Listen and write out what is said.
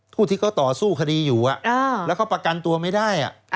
ผู้ที่เขาต่อสู้คดีอยู่แล้วเขาประกันตัวไม่ได้